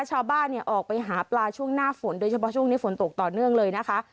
ชาวบ้านเนี่ยออกไปหาปลาช่วงหน้าฝนโดยเฉพาะช่วงนี้ฝนตกต่อเนื่องเลยนะคะ